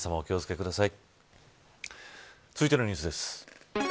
続いてのニュースです。